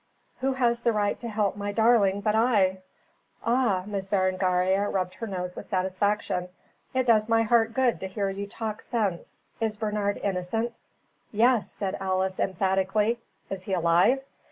"Who has the right to help my darling but I?" "Ah!" Miss Berengaria rubbed her nose with satisfaction. "It does my heart good to hear you talk sense. Is Bernard innocent?" "Yes," said Alice, emphatically. "Is he alive?"